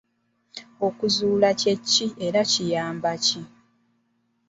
Okuzuula kye ki era kiyamba ki?